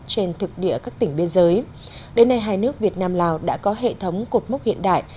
trên thực địa các tỉnh biên giới đến nay hai nước việt nam lào đã có hệ thống cột mốc hiện đại